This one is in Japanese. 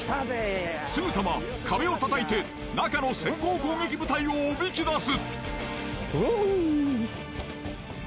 すぐさま壁を叩いて中の先行攻撃部隊をおびき出す。